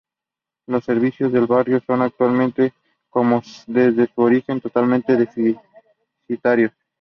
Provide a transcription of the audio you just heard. Los servicios del barrio son actualmente, como desde su origen, totalmente deficitarios.